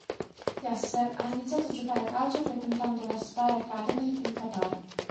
Yasser ha iniziato a giocare a calcio frequentando l'Aspire Academy in Qatar.